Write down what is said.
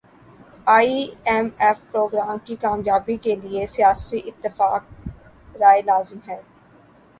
ائی M F programme کی کامیابی کیلئے سیاسی اتفاق رائے لازم ہے